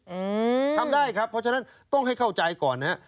อืมทำได้ครับเพราะฉะนั้นต้องให้เข้าใจก่อนนะฮะ